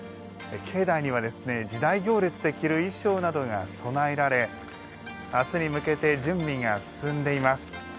境内には、時代行列で着る衣装などが供えられ、明日に向けて進んでいます。